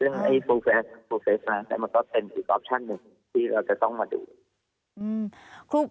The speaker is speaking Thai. ซึ่งให้โปรเฟสนะแต่มันก็เป็นอีกออปชันหนึ่งที่เราจะต้องมาดู